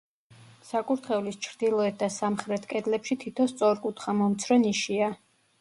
საკურთხევლის ჩრდილოეთ და სამხრეთ კედლებში თითო სწორკუთხა, მომცრო ნიშია.